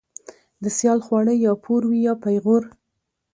ـ د سيال خواړه يا پور وي يا پېغور.